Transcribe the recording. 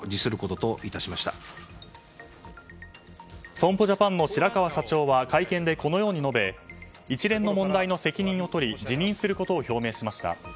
損保ジャパンの白川社長は会見でこのように述べ一連の問題の責任を取り辞任することを表明しました。